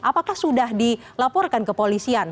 apakah sudah dilaporkan ke polisian